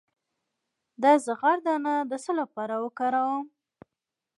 د زغر دانه د څه لپاره وکاروم؟